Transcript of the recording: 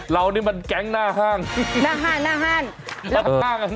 เรานี่มันแก๊งหน้าห้าง